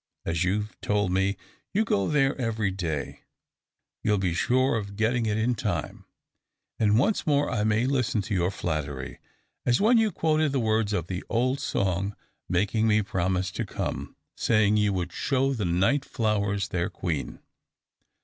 As you've told me you go there every day, you'll be sure of getting it in time; and once more I may listen to your flattery, as when you quoted the words of the old song, making me promise to come, saying you would `show the night flowers their queen.'